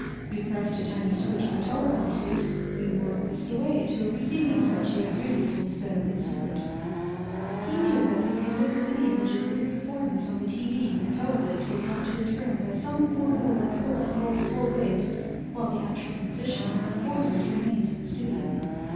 You pressed a tiny switch on the telporter suit; you were whisked away to a receiving set you had previously set up in secret. He knew that the music and the images of the performers on the TV and telovis were brought to his room by some form of electrical impulse or wave while the actual musicians and performers remained in the studio.